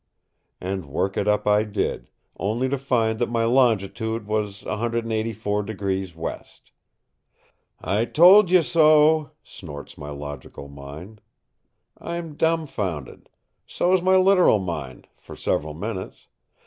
And work it up I did, only to find that my longitude was 184° west. "I told you so," snorts my logical mind. I am dumbfounded. So is my literal mind, for several minutes.